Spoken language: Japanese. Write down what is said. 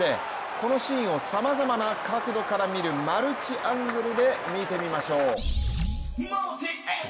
このシーンをさまざまな角度から見るマルチアングルで見てみましょう。